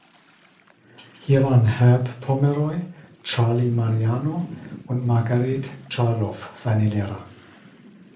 Hier waren Herb Pomeroy, Charlie Mariano und Margaret Chaloff seine Lehrer.